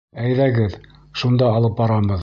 Әйҙәгеҙ, шунда алып барабыҙ.